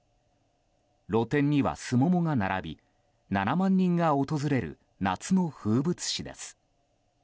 露店には、スモモが並び７万人が訪れる夏の風物詩です。